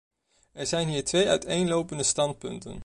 Er zijn hier twee uiteenlopende standpunten.